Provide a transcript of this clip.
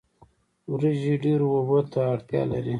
وریجې ډیرو اوبو ته اړتیا لري